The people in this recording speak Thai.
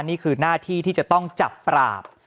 นี่คือหน้าที่ที่จะต้องจับปราบ